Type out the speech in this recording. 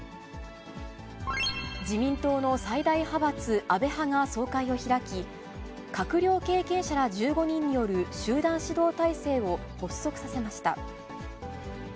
自民党の最大派閥、安倍派が総会を開き、閣僚経験者ら１５人による集団指導体制を発足させました。